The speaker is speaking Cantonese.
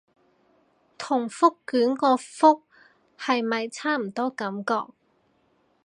同覆卷個覆係咪差唔多感覺